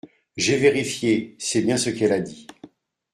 J’ai vérifié, c’est bien ce qu’elle a dit.